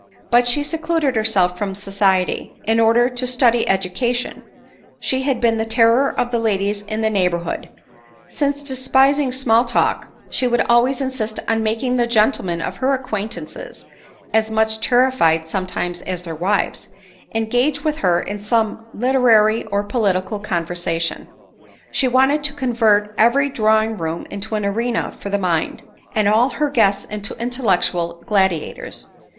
Before she secluded herself from society in order to study education, she had been the terror of the ladies in the neighborhood ; since, despis ing small talk, she would always insist on making the gentlemen of her acquaintance (as much terrified some times as their wives) engage with her in some literary or political conversation. She wanted .to convert every drawing room into an arena for the mind, and all her guests into intellectual gladiators.